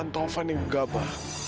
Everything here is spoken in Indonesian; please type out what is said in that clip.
taufan yang gaba